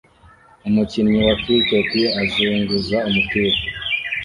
Umukinnyi wa Cricket azunguza umupira